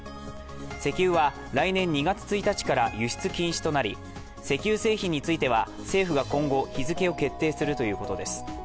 石油は来年２月１日から輸出禁止となり、石油製品については政府が今後、日付を決定するということです。